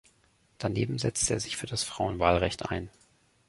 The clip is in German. Daneben setzte er sich für das Frauenwahlrecht ein.